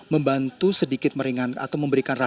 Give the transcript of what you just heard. membantu sedikit meringan atau memberikan rasa